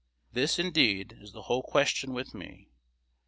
This, indeed, is the whole question with me.